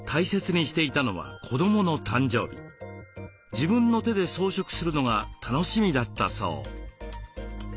自分の手で装飾するのが楽しみだったそう。